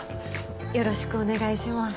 よろしくお願いします。